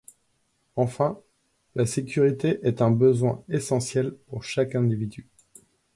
Enfin, la sécurité est un besoin essentiel pour chaque individu.